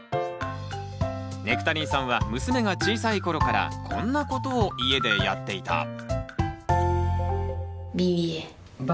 ネクタリンさんは娘が小さい頃からこんなことを家でやっていた。